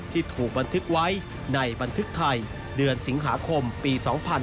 ที่ถูกบันทึกไว้ในบันทึกไทยเดือนสิงหาคมปี๒๕๕๙